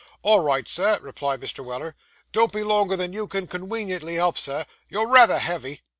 'All right, sir,' replied Mr. Weller. 'Don't be longer than you can conweniently help, sir. You're rayther heavy.